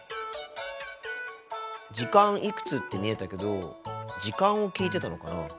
「時間いくつ」って見えたけど時間を聞いてたのかな？